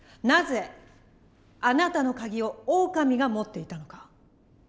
なぜあなたのカギをオオカミが持っていたのか？